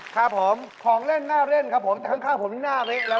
ครับผมของเล่นหน้าเล่นครับผมแต่ข้างผมหน้าไปแล้วนะครับผม